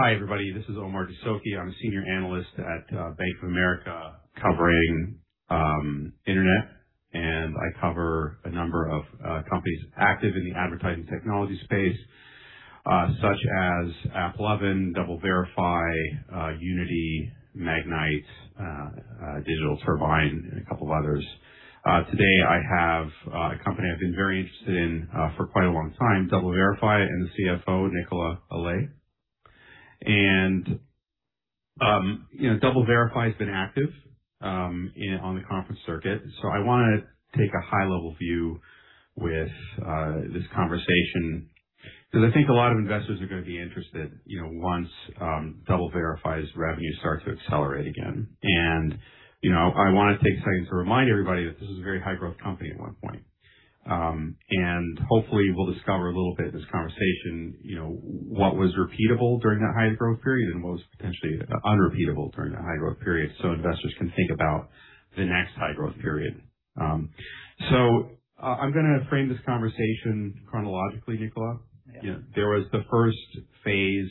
Hi, everybody. This is Omar Jessop. I'm a Senior Analyst at Bank of America, covering internet. I cover a number of companies active in the advertising technology space, such as AppLovin, DoubleVerify, Unity, Magnite, Digital Turbine, and a couple of others. Today I have a company I've been very interested in for quite a long time, DoubleVerify, and the CFO, Nicola Allais. DoubleVerify has been active on the conference circuit. I want to take a high-level view with this conversation, because I think a lot of investors are going to be interested once DoubleVerify's revenue starts to accelerate again. I want to take a second to remind everybody that this was a very high growth company at one point. Hopefully we'll discover a little bit in this conversation, what was repeatable during that high growth period and what was potentially unrepeatable during that high growth period, so investors can think about the next high growth period. I'm going to frame this conversation chronologically, Nicola. Yeah. There was the first phase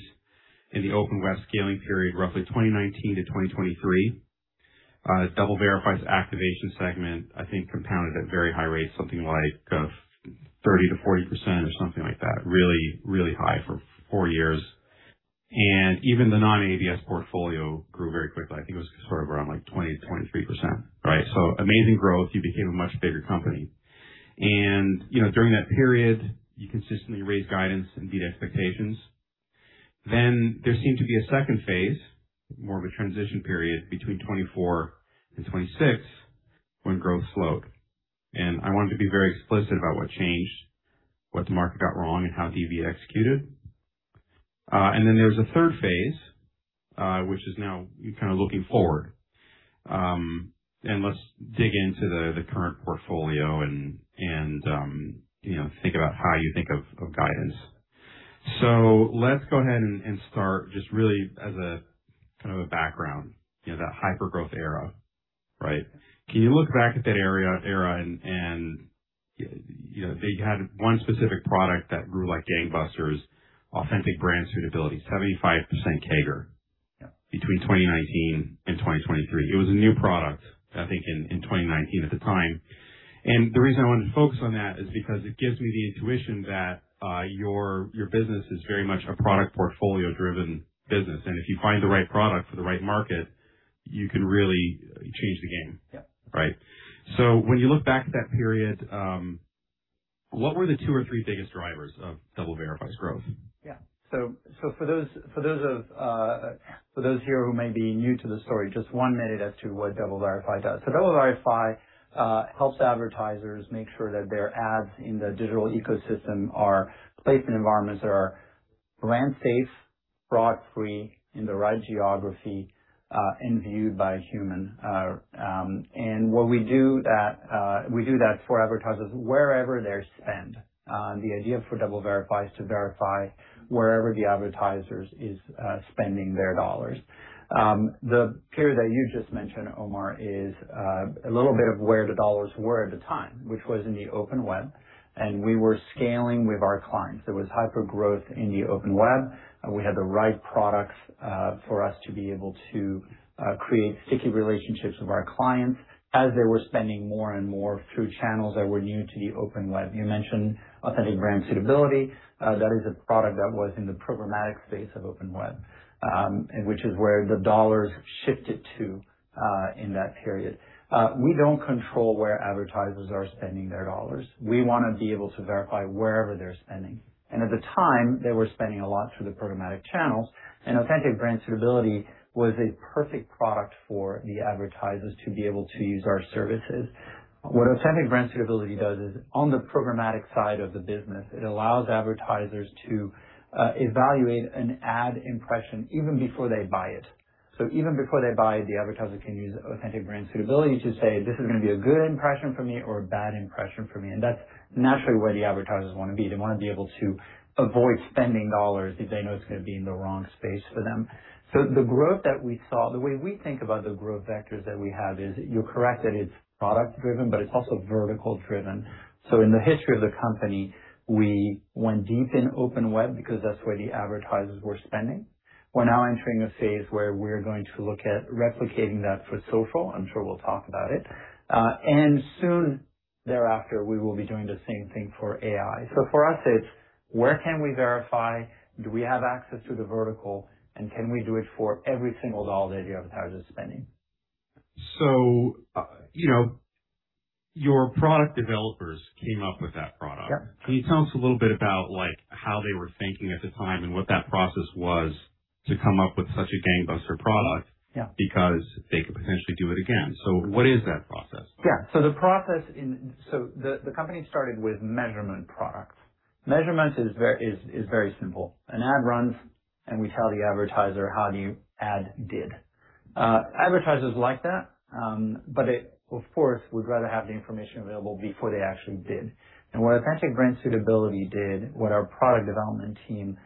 in the open web scaling period, roughly 2019-2023. DoubleVerify's activation segment, I think compounded at very high rates, something like 30%-40% or something like that. Really high for four years. Even the non-ABS portfolio grew very quickly. I think it was sort of around 20%-23%. Right. Amazing growth. You became a much bigger company. During that period, you consistently raised guidance and beat expectations. There seemed to be a second phase, more of a transition period between 2024 and 2026 when growth slowed. I wanted to be very explicit about what changed, what the market got wrong, and how DV executed. There's a third phase, which is now kind of looking forward. Let's dig into the current portfolio and think about how you think of guidance. Let's go ahead and start just really as a kind of a background, that hyper-growth era. Right. Can you look back at that era and they had one specific product that grew like gangbusters, Authentic Brand Suitability, 75% CAGR. Yeah between 2019 and 2023. It was a new product, I think, in 2019 at the time. The reason I wanted to focus on that is because it gives me the intuition that your business is very much a product portfolio driven business, and if you find the right product for the right market, you can really change the game. Yeah. Right. When you look back at that period, what were the two or three biggest drivers of DoubleVerify's growth? Yeah. For those here who may be new to the story, just one minute as to what DoubleVerify does. DoubleVerify helps advertisers make sure that their ads in the digital ecosystem are placement environments that are brand safe, fraud free, in the right geography, and viewed by a human. We do that for advertisers wherever they spend. The idea for DoubleVerify is to verify wherever the advertiser is spending their dollars. The period that you just mentioned, Omar, is a little bit of where the dollars were at the time, which was in the open web, and we were scaling with our clients. There was hypergrowth in the open web. We had the right products, for us to be able to create sticky relationships with our clients as they were spending more and more through channels that were new to the open web. You mentioned Authentic Brand Suitability. That is a product that was in the programmatic space of open web, which is where the dollars shifted to, in that period. We don't control where advertisers are spending their dollars. We want to be able to verify wherever they're spending. At the time, they were spending a lot through the programmatic channels, and Authentic Brand Suitability was a perfect product for the advertisers to be able to use our services. What Authentic Brand Suitability does is on the programmatic side of the business, it allows advertisers to evaluate an ad impression even before they buy it. Even before they buy, the advertiser can use Authentic Brand Suitability to say, "This is going to be a good impression for me or a bad impression for me." That's naturally where the advertisers want to be. They want to be able to avoid spending dollars if they know it's going to be in the wrong space for them. The growth that we saw, the way we think about the growth vectors that we have is, you're correct that it's product driven, but it's also vertical driven. In the history of the company, we went deep in open web because that's where the advertisers were spending. We're now entering a phase where we're going to look at replicating that for social. I'm sure we'll talk about it. Soon thereafter, we will be doing the same thing for AI. For us, it's where can we verify? Do we have access to the vertical? Can we do it for every single dollar the advertiser is spending? Your product developers came up with that product. Yeah. Can you tell us a little bit about how they were thinking at the time and what that process was to come up with such a gangbuster product? Yeah. They could potentially do it again. What is that process? Yeah. The company started with measurement products. Measurement is very simple. An ad runs, we tell the advertiser how the ad did. Advertisers like that, of course, would rather have the information available before they actually did. What Authentic Brand Suitability did, what our product development team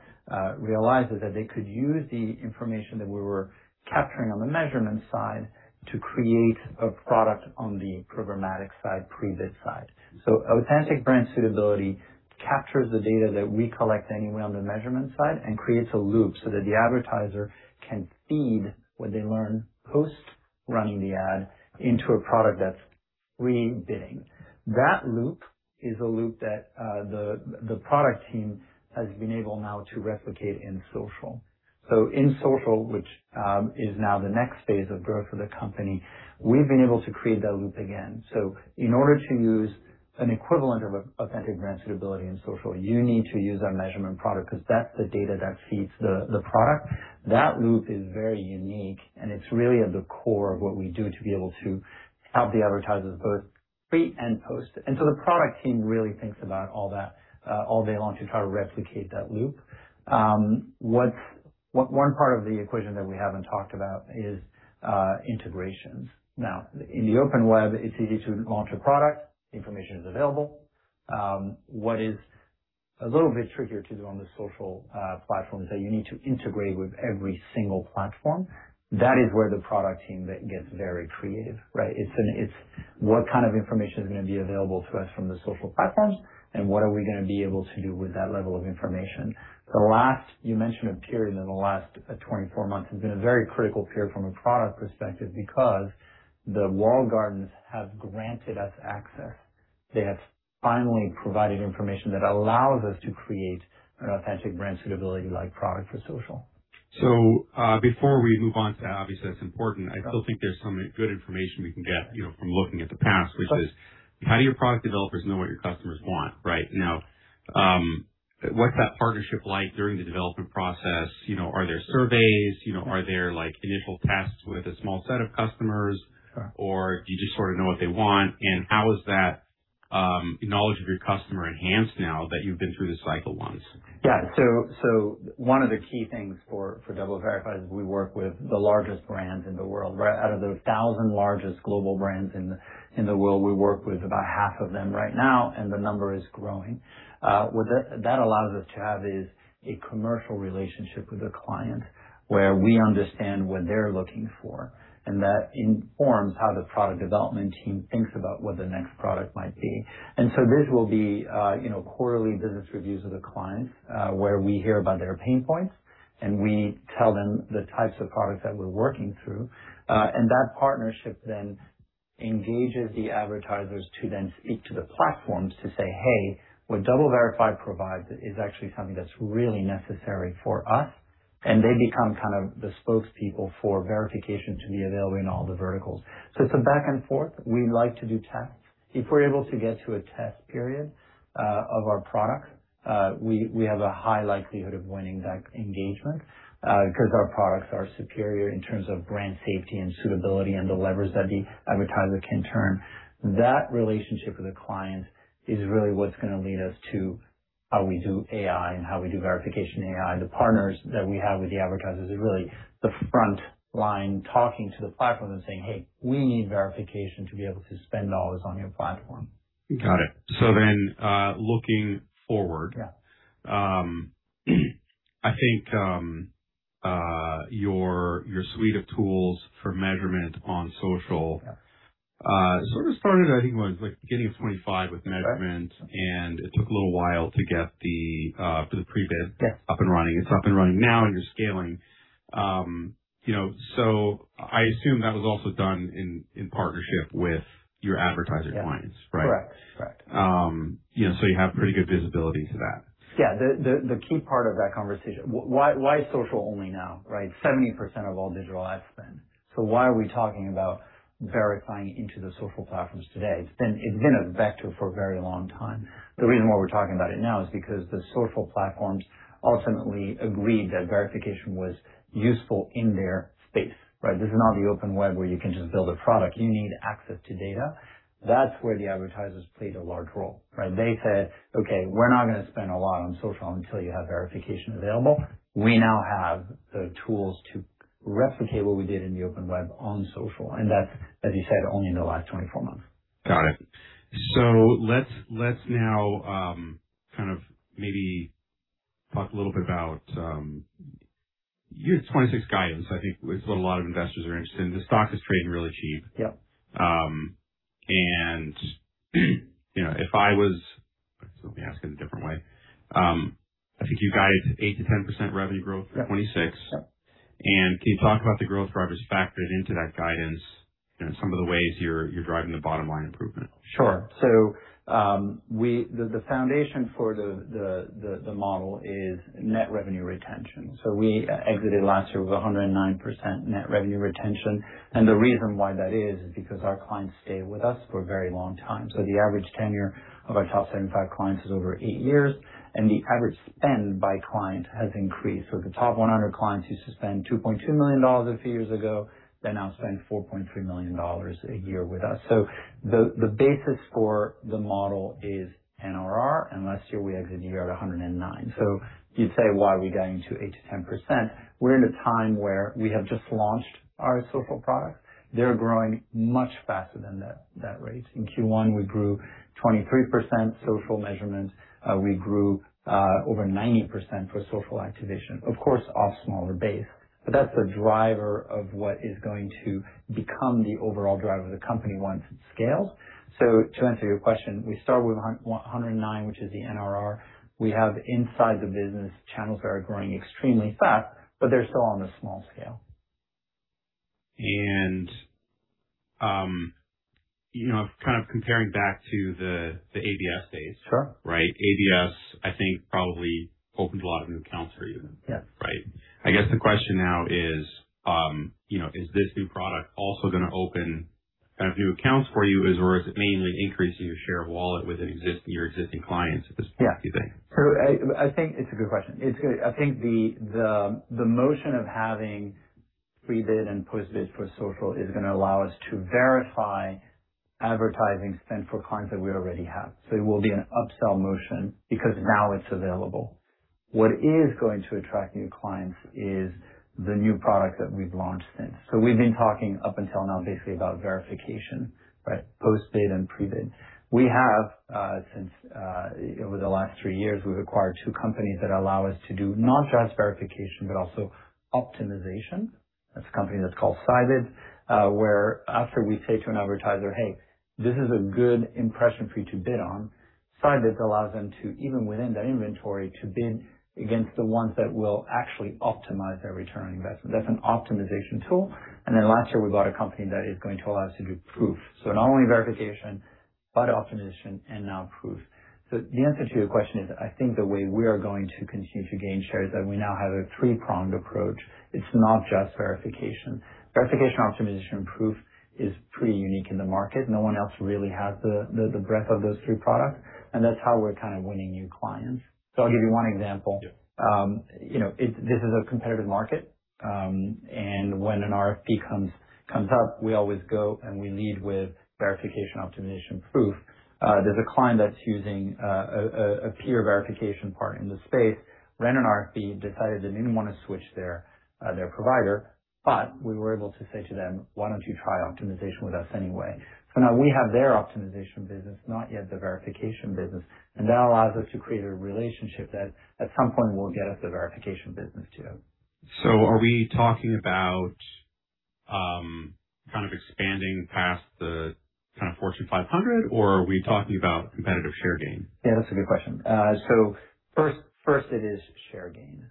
realized was that they could use the information that we were capturing on the measurement side to create a product on the programmatic side, pre-bid side. Authentic Brand Suitability captures the data that we collect anyway on the measurement side and creates a loop so that the advertiser can feed what they learn post-running the ad into a product that's rebidding. That loop is a loop that the product team has been able now to replicate in social. In social, which is now the next phase of growth for the company, we've been able to create that loop again. In order to use an equivalent of Authentic Brand Suitability in social, you need to use our measurement product because that's the data that feeds the product. That loop is very unique, and it's really at the core of what we do to be able to help the advertisers both pre- and post. The product team really thinks about all that all day long to try to replicate that loop. One part of the equation that we haven't talked about is integrations. In the open web, it's easy to launch a product. Information is available. What is a little bit trickier to do on the social platform is that you need to integrate with every single platform. That is where the product team gets very creative, right? It's what kind of information is going to be available to us from the social platforms, and what are we going to be able to do with that level of information? You mentioned a period in the last 24 months. It's been a very critical period from a product perspective because the walled gardens have granted us access. They have finally provided information that allows us to create an Authentic Brand Suitability like product for social. Before we move on to, obviously, that's important, I still think there's some good information we can get from looking at the past, which is how do your product developers know what your customers want right now? What's that partnership like during the development process? Are there surveys? Are there initial tests with a small set of customers, or do you just sort of know what they want? How is that knowledge of your customer enhanced now that you've been through this cycle once? One of the key things for DoubleVerify is we work with the largest brands in the world, right? Out of the 1,000 largest global brands in the world, we work with about half of them right now, and the number is growing. What that allows us to have is a commercial relationship with a client where we understand what they're looking for, and that informs how the product development team thinks about what the next product might be. This will be quarterly business reviews with a client, where we hear about their pain points, and we tell them the types of products that we're working through. That partnership then engages the advertisers to then speak to the platforms to say, "Hey, what DoubleVerify provides is actually something that's really necessary for us." They become kind of the spokespeople for verification to be available in all the verticals. It's a back and forth. We like to do tests. If we're able to get to a test period of our product, we have a high likelihood of winning that engagement because our products are superior in terms of brand safety and suitability and the levers that the advertiser can turn. That relationship with a client is really what's going to lead us to how we do AI and how we do verification AI. The partners that we have with the advertisers are really the front line, talking to the platform and saying, "Hey, we need verification to be able to spend dollars on your platform. Got it. Looking forward. Yeah. I think your suite of tools for measurement on social sort of started, I think it was beginning of 2025 with measurement, and it took a little while to get the pre-bid up and running. It's up and running now, and you're scaling. I assume that was also done in partnership with your advertiser clients, right? Correct. You have pretty good visibility to that. The key part of that conversation, why social only now, right? 70% of all digital ad spend. Why are we talking about verifying into the social platforms today? It's been a vector for a very long time. The reason why we're talking about it now is because the social platforms ultimately agreed that verification was useful in their space, right? This is not the open web where you can just build a product. You need access to data. That's where the advertisers played a large role. They said, "Okay, we're not going to spend a lot on social until you have verification available." We now have the tools to replicate what we did in the open web on social, and that's, as you said, only in the last 24 months. Got it. Let's now kind of maybe talk a little bit about your 2026 guidance, I think is what a lot of investors are interested in. The stock is trading really cheap. Yep. Let me ask it a different way. I think you guided 8%-10% revenue growth for 2026. Yep. Can you talk about the growth drivers factored into that guidance and some of the ways you're driving the bottom line improvement? Sure. The foundation for the model is Net Revenue Retention. We exited last year with 109% Net Revenue Retention, and the reason why that is because our clients stay with us for a very long time. The average tenure of our top 75 clients is over eight years, and the average spend by client has increased. The top 100 clients used to spend $2.2 million a few years ago. They now spend $4.3 million a year with us. The basis for the model is NRR, and last year we exited the year at 109. You'd say, why are we guiding to 8%-10%? We're in a time where we have just launched our social product. They're growing much faster than that rate. In Q1, we grew 23% social measurement. We grew over 90% for social activation, of course, off smaller base. That's the driver of what is going to become the overall driver of the company once it scales. To answer your question, we start with 109%, which is the NRR. We have inside the business channels that are growing extremely fast, but they're still on a small scale. Kind of comparing back to the ABS days. Sure. Right. ABS, I think probably opened a lot of new accounts for you. Yes. I guess the question now is this new product also going to open kind of new accounts for you? Or is it mainly increasing your share of wallet with your existing clients at this point, do you think? I think it's a good question. I think the motion of having pre-bid and post-bid for social is going to allow us to verify advertising spend for clients that we already have. It will be an upsell motion because now it's available. What is going to attract new clients is the new product that we've launched since. We've been talking up until now basically about verification, post-bid and pre-bid. We have, since over the last three years, we've acquired two companies that allow us to do not just verification but also optimization. That's a company that's called Scibids, where after we say to an advertiser, "Hey, this is a good impression for you to bid on," Scibids allows them to, even within that inventory, to bid against the ones that will actually optimize their return on investment. That's an optimization tool. Last year, we bought a company that is going to allow us to do proof. Not only verification, but optimization and now proof. The answer to your question is, I think the way we are going to continue to gain share is that we now have a three-pronged approach. It's not just verification. Verification, optimization, and proof is pretty unique in the market. No one else really has the breadth of those three products, and that's how we're kind of winning new clients. I'll give you one example. Yeah. This is a competitive market, and when an RFP comes up, we always go and we lead with verification, optimization, proof. There's a client that's using a peer verification part in the space, ran an RFP, decided they didn't want to switch their provider, but we were able to say to them, "Why don't you try optimization with us anyway?" Now we have their optimization business, not yet the verification business, and that allows us to create a relationship that at some point will get us the verification business too. Are we talking about kind of expanding past the kind of Fortune 500, or are we talking about competitive share gain? Yeah, that's a good question. First it is share gain.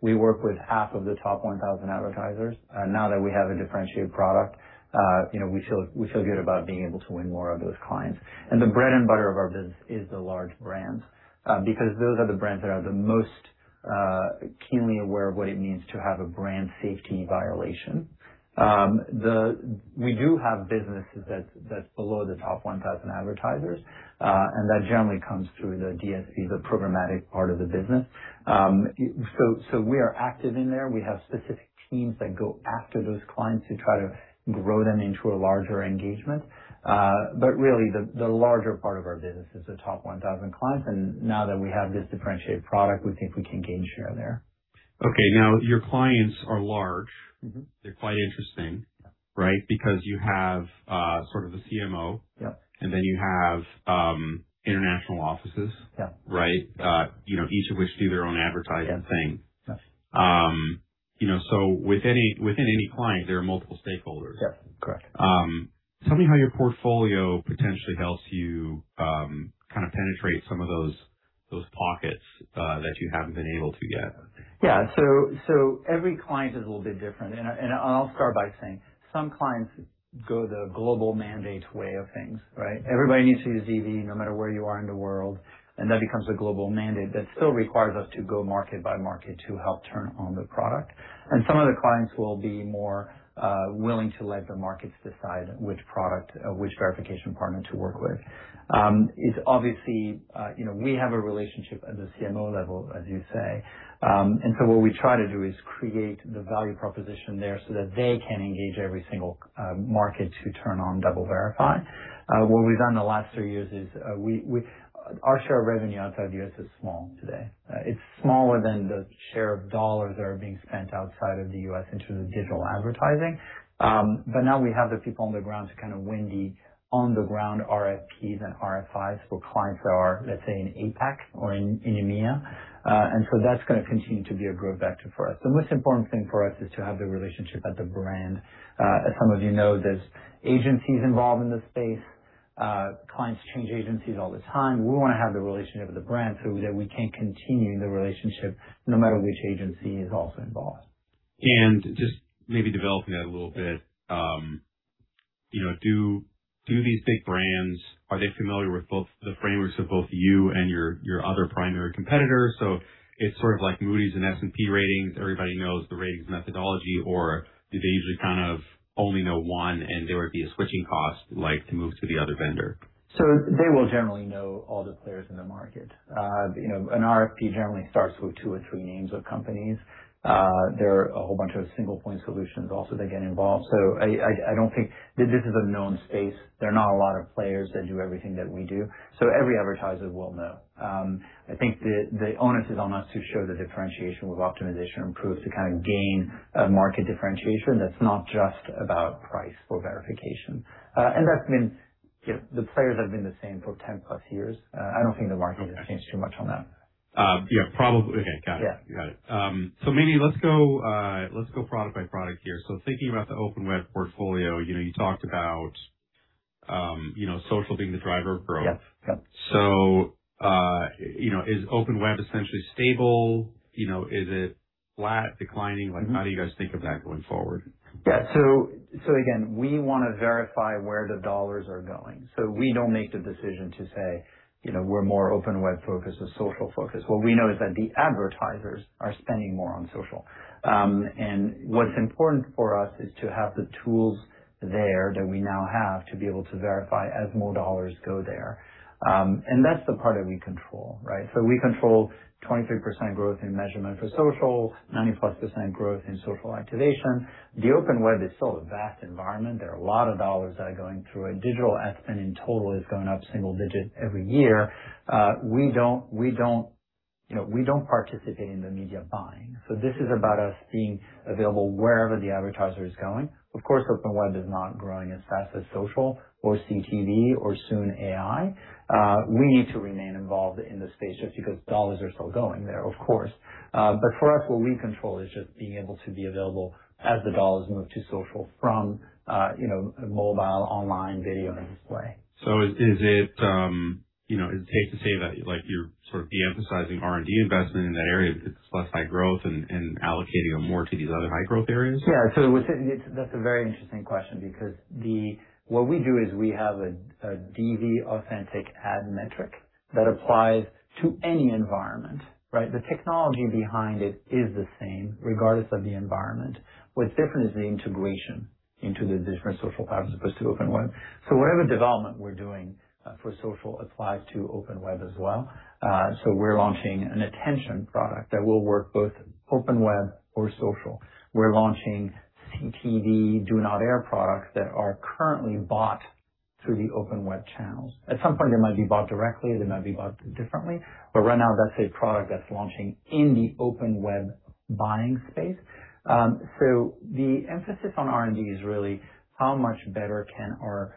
We work with half of the top 1,000 advertisers. Now that we have a differentiated product, we feel good about being able to win more of those clients. The bread and butter of our business is the large brands, because those are the brands that are the most keenly aware of what it means to have a brand safety violation. We do have businesses that's below the top 1,000 advertisers, and that generally comes through the DSP, the programmatic part of the business. We are active in there. We have specific teams that go after those clients to try to grow them into a larger engagement. Really, the larger part of our business is the top 1,000 clients. Now that we have this differentiated product, we think we can gain share there. Okay. Now your clients are large. They're quite interesting. Yeah. Right? Because you have sort of the CMO. Yep. You have international offices. Yeah. Right? Each of which do their own advertising thing. Yes. Within any client, there are multiple stakeholders. Yes, correct. Tell me how your portfolio potentially helps you kind of penetrate some of those pockets that you haven't been able to yet? Every client is a little bit different, I'll start by saying, some clients go the global mandate way of things, right? Everybody needs to use DV no matter where you are in the world, that becomes a global mandate that still requires us to go market by market to help turn on the product. Some of the clients will be more willing to let the markets decide which product, which verification partner to work with. It's obviously, we have a relationship at the CMO level, as you say. What we try to do is create the value proposition there so that they can engage every single market to turn on DoubleVerify. What we've done in the last three years is, our share of revenue outside the U.S. is small today. It's smaller than the share of dollars that are being spent outside of the U.S. in terms of digital advertising. Now we have the people on the ground to kind of win the on the ground RFPs and RFIs for clients that are, let's say, in APAC or in EMEA. That's going to continue to be a growth vector for us. The most important thing for us is to have the relationship at the brand. As some of you know, there's agencies involved in the space. Clients change agencies all the time. We want to have the relationship with the brand so that we can continue the relationship no matter which agency is also involved. Just maybe developing that a little bit. Do these big brands, are they familiar with both the frameworks of both you and your other primary competitors? It's sort of like Moody's and S&P ratings. Everybody knows the ratings methodology. Do they usually kind of only know one and there would be a switching cost, like to move to the other vendor? They will generally know all the players in the market. An RFP generally starts with two or three names of companies. There are a whole bunch of single point solutions also that get involved. I don't think that this is a known space. There are not a lot of players that do everything that we do. Every advertiser will know. I think the onus is on us to show the differentiation with optimization and proof to kind of gain a market differentiation that's not just about price for verification. That's been, the players have been the same for 10+ years. I don't think the market has changed too much on that. Yeah, probably. Okay, got it. Yeah. Got it. Nicola, let's go product by product here. Thinking about the open web portfolio, you talked about Social being the driver of growth. Yeah. Is open web essentially stable? Is it flat declining? How do you guys think of that going forward? Yeah. Again, we want to verify where the dollars are going. We don't make the decision to say, we're more open web-focused or social-focused. What we know is that the advertisers are spending more on social. What's important for us is to have the tools there that we now have to be able to verify as more dollars go there. That's the part that we control, right? We control 23% growth in measurement for social, 90-plus% growth in social activation. The open web is still a vast environment. There are a lot of dollars that are going through it. Digital ad spend in total is going up single digit every year. We don't participate in the media buying. This is about us being available wherever the advertiser is going. Of course, open web is not growing as fast as social or CTV or soon AI. We need to remain involved in this space just because dollars are still going there, of course. For us, what we control is just being able to be available as the dollars move to social from mobile, online video, and display. Is it safe to say that you're sort of de-emphasizing R&D investment in that area because it's less high growth and allocating it more to these other high growth areas? Yeah. That's a very interesting question because what we do is we have a DV Authentic Ad metric that applies to any environment, right? The technology behind it is the same regardless of the environment. What's different is the integration into the different social platforms as opposed to open web. Whatever development we're doing for social applies to open web as well. We're launching an attention product that will work both open web or social. We're launching CTV do not air products that are currently bought through the open web channels. At some point, they might be bought directly, they might be bought differently, but right now, that's a product that's launching in the open web buying space. The emphasis on R&D is really how much better can our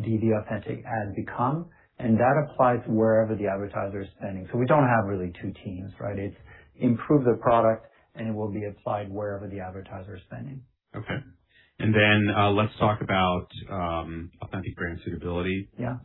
DV Authentic Ad become, and that applies wherever the advertiser is spending. We don't have really two teams, right? It's improve the product, and it will be applied wherever the advertiser is spending. Okay. Then, let's talk about Authentic Brand Suitability. Yeah.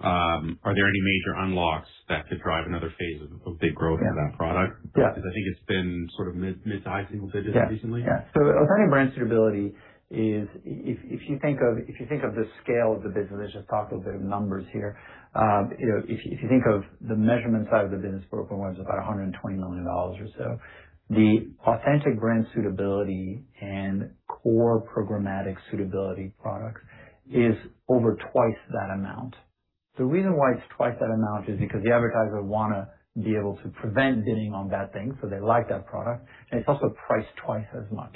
Are there any major unlocks that could drive another phase of big growth for that product? Yeah. I think it's been sort of mid-to-high single digits recently. Yeah. Authentic Brand Suitability is, if you think of the scale of the business, let's just talk a bit of numbers here. If you think of the measurement side of the business for open web is about $120 million or so. The Authentic Brand Suitability and core programmatic suitability products is over twice that amount. The reason why it's twice that amount is because the advertisers want to be able to prevent bidding on bad things, so they like that product, and it's also priced twice as much.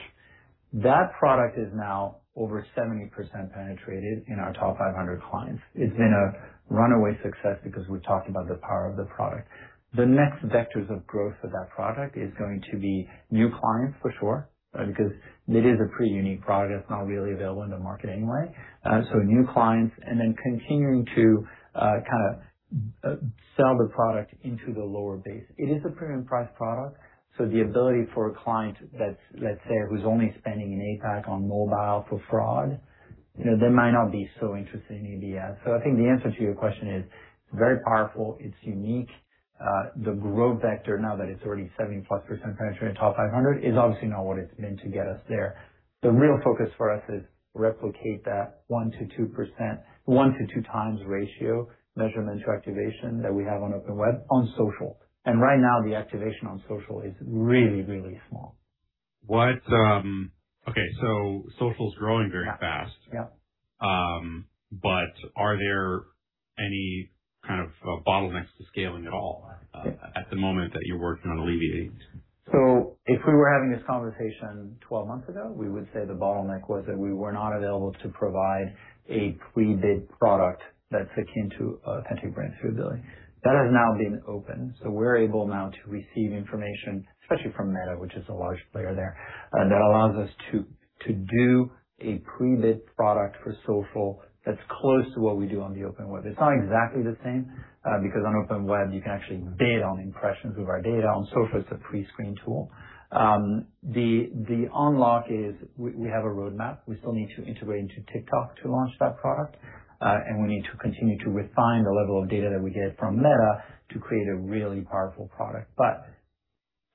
That product is now over 70% penetrated in our top 500 clients. It's been a runaway success because we've talked about the power of the product. The next vectors of growth for that product is going to be new clients for sure because it is a pretty unique product. It's not really available in the market anyway. New clients and then continuing to kind of sell the product into the lower base. It is a premium priced product, so the ability for a client that, let's say, who's only spending in APAC on mobile for fraud, they might not be so interested in ABS. I think the answer to your question is very powerful. It's unique. The growth vector now that it's already 70%-plus penetration Fortune 500 is obviously not what it's meant to get us there. The real focus for us is replicate that one to two times ratio measurement to activation that we have on open web on social. Right now the activation on social is really, really small. Okay, social's growing very fast. Yeah. Are there any kind of bottlenecks to scaling at all at the moment that you're working on alleviating? If we were having this conversation 12 months ago, we would say the bottleneck was that we were not available to provide a pre-bid product that's akin to Authentic Brand Suitability. That has now been opened. We're able now to receive information, especially from Meta, which is a large player there, that allows us to do a pre-bid product for social that's close to what we do on the open web. It's not exactly the same because on open web you can actually bid on impressions with our data. On social it's a pre-screen tool. The unlock is we have a roadmap. We still need to integrate into TikTok to launch that product. We need to continue to refine the level of data that we get from Meta to create a really powerful product.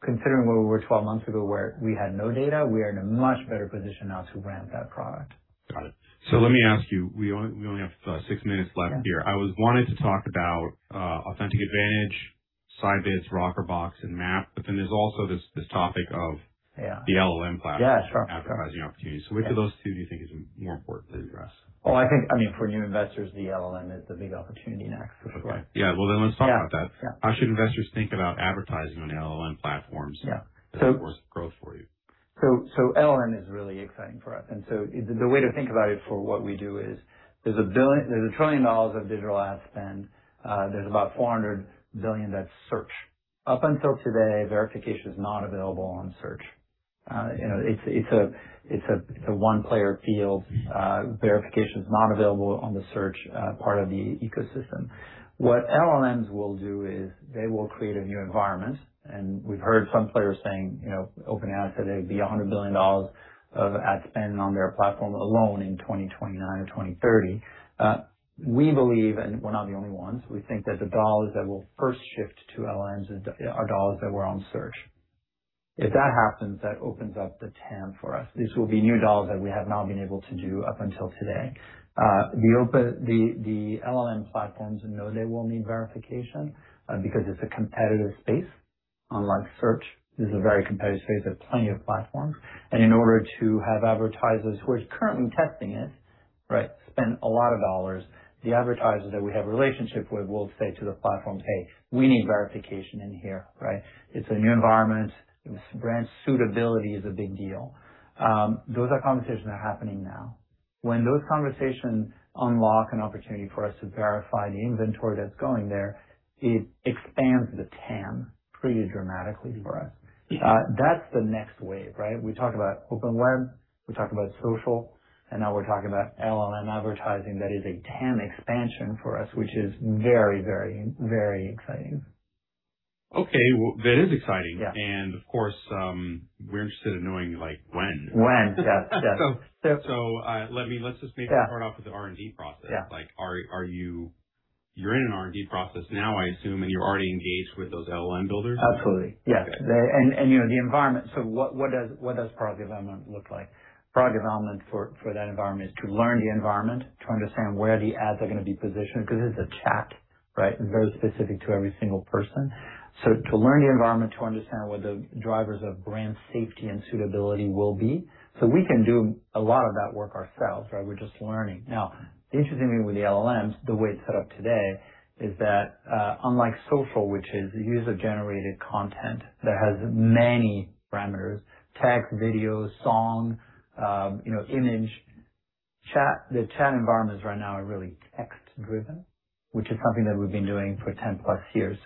Considering where we were 12 months ago where we had no data, we are in a much better position now to ramp that product. Got it. Let me ask you, we only have six minutes left here. I was wanting to talk about Authentic Ad, Scibids, Rockerbox, and Map, but then there's also this topic of the LLM platform advertising opportunities. Which of those two do you think is more important to address? Well, I think, for new investors, the LLM is the big opportunity next. Okay. Yeah. Well, let's talk about that. Yeah. How should investors think about advertising on LLM platforms as a source of growth for you? LLM is really exciting for us and so the way to think about it for what we do is there's a $1 trillion of digital ad spend. There's about $400 billion that's search. Up until today, verification is not available on search. It's a one-player field. Verification is not available on the search part of the ecosystem. What LLMs will do is they will create a new environment, and we've heard some players saying OpenAI today will be $100 billion of ad spend on their platform alone in 2029 or 2030. We believe, and we're not the only ones, we think that the dollars that will first shift to LLMs are dollars that were on search. If that happens, that opens up the TAM for us. These will be new dollars that we have not been able to do up until today. The LLM platforms know they will need verification because it's a competitive space. Unlike search, this is a very competitive space. There are plenty of platforms, and in order to have advertisers who are currently testing it spend a lot of dollars, the advertisers that we have a relationship with will say to the platforms, "Hey, we need verification in here." It's a new environment. Brand suitability is a big deal. Those are conversations that are happening now. When those conversations unlock an opportunity for us to verify the inventory that's going there, it expands the TAM pretty dramatically for us. That's the next wave. We talk about open web, we talk about social, and now we're talking about LLM advertising that is a TAM expansion for us, which is very exciting. Okay. That is exciting. Yeah. Of course, we're interested in knowing when. When? Yes. Let's just maybe start off with the R&D process. Yeah. You're in an R&D process now, I assume, and you're already engaged with those LLM builders? Absolutely. Yes. Okay. The environment. What does product development look like? Product development for that environment is to learn the environment, to understand where the ads are going to be positioned, because it's a chat. Very specific to every single person. To learn the environment, to understand what the drivers of brand safety and suitability will be. We can do a lot of that work ourselves. We're just learning. Now, the interesting thing with the LLMs, the way it's set up today, is that unlike social, which is user-generated content that has many parameters, text, video, song, image. The chat environments right now are really text-driven, which is something that we've been doing for 10 plus years.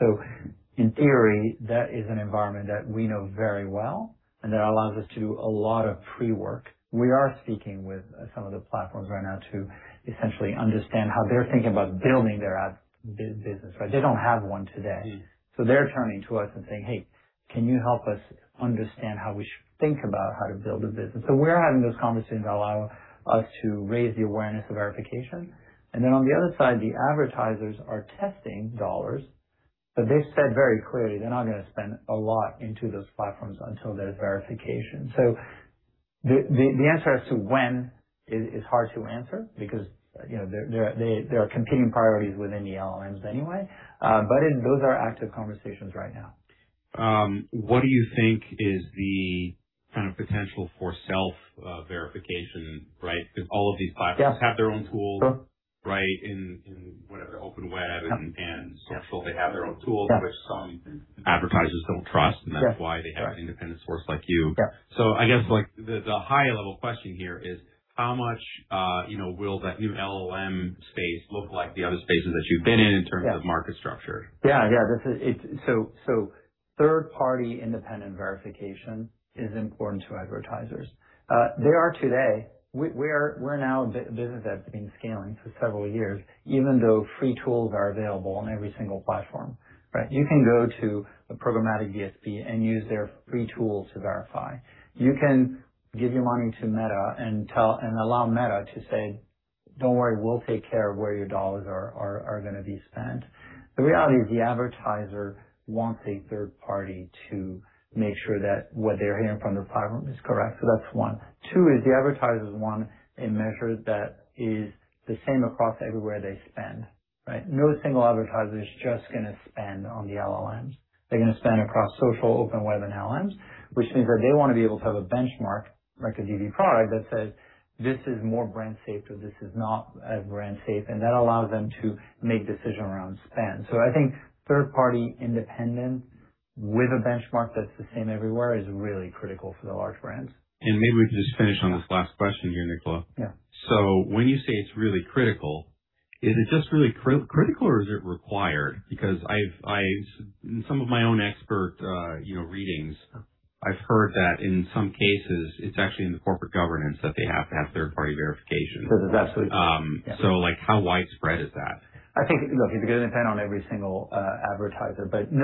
In theory, that is an environment that we know very well and that allows us to do a lot of pre-work. We are speaking with some of the platforms right now to essentially understand how they're thinking about building their ad business. They don't have one today. They're turning to us and saying, "Hey, can you help us understand how we should think about how to build a business?" We're having those conversations that allow us to raise the awareness of verification. On the other side, the advertisers are testing dollars, but they've said very clearly they're not going to spend a lot into those platforms until there's verification. The answer as to when is hard to answer because there are competing priorities within the LLMs anyway. Those are active conversations right now. What do you think is the potential for self-verification? Because all of these platforms have their own tools. Sure. In whatever open web and social, they have their own tools which some advertisers don't trust, and that's why they have an independent source like you. Yeah. I guess, the high-level question here is how much will that new LLM space look like the other spaces that you've been in in terms of market structure? Yeah. Third-party independent verification is important to advertisers. They are today. We're now a business that's been scaling for several years, even though free tools are available on every single platform. You can go to a programmatic DSP and use their free tool to verify. You can give your money to Meta and allow Meta to say, "Don't worry, we'll take care of where your dollars are going to be spent." The reality is the advertiser wants a third party to make sure that what they're hearing from their platform is correct. That's one. Two is the advertisers want a measure that is the same across everywhere they spend. No single advertiser is just going to spend on the LLMs. They're going to spend across social, open web, and LLMs, which means that they want to be able to have a benchmark, like a DV product that says, "This is more brand safe," or, "This is not as brand safe." That allows them to make decision around spend. I think third party independent with a benchmark that's the same everywhere is really critical for the large brands. Maybe we can just finish on this last question here, Nicola. Yeah. When you say it's really critical, is it just really critical, or is it required? In some of my own expert readings, I've heard that in some cases it's actually in the corporate governance that they have to have third party verification. That's absolutely true. How widespread is that? I think, look, it is going to depend on every single advertiser. We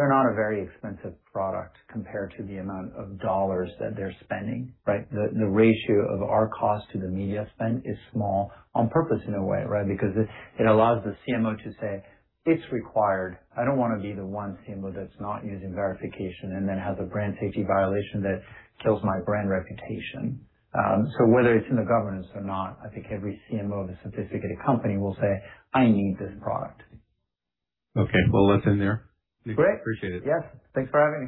are not a very expensive product compared to the amount of dollars that they are spending. The ratio of our cost to the media spend is small on purpose in a way, because it allows the CMO to say, "It is required. I don't want to be the one CMO that is not using verification and then has a brand safety violation that kills my brand reputation." Whether it is in the governance or not, I think every CMO of a sophisticated company will say, "I need this product. Okay. Well, listen here. Great. Appreciate it. Yes, thanks for having me.